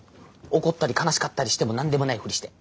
怒ったり悲しかったりしても何でもないふりして。